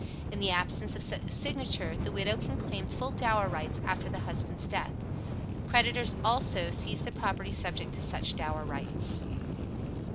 In the absence of such signature, the widow can claim full dower rights after the husband's death. Creditors, also, seize the property subject to such dower rights.